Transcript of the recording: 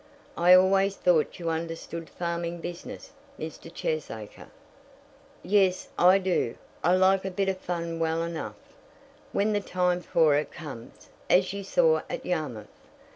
"I always thought you understood farming business, Mr. Cheesacre." "Yes, I do. I like a bit of fun well enough, when the time for it comes, as you saw at Yarmouth.